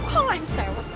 kok lo yang sewa